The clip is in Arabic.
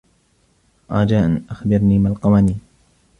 رجاء أخبرني ما القوانين.